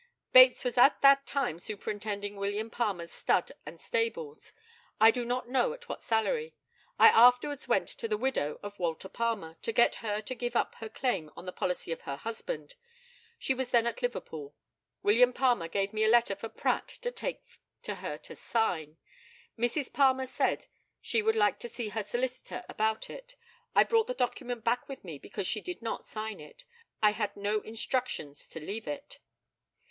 ] Bates was at that time superintending William Palmer's stud and stables. I do not know at what salary. I afterwards went to the widow of Walter Palmer to get her to give up her claim on the policy of her husband. She was then at Liverpool. William Palmer gave me a letter for Pratt to take to her to sign. Mrs. Palmer said she would like to see her solicitor about it. I brought the document back with me because she did not sign it. I had no instructions to leave it.